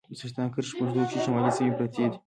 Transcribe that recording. د سرطان کرښې په اوږدو کې شمالي سیمې پرتې دي.